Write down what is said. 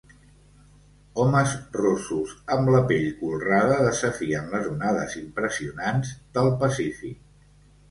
Homes rossos amb la pell colrada desafien les onades impressionants del Pacífic.